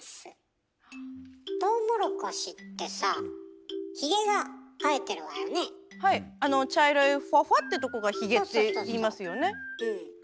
トウモロコシってさあの茶色いふわふわってとこがヒゲっていいますよね。